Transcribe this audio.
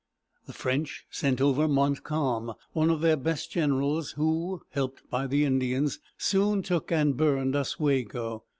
The French sent over Mont calm´, one of their best generals, who, helped by the Indians, soon took and burned Oswego.